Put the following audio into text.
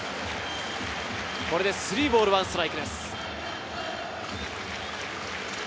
これで３ボール１ストライクです。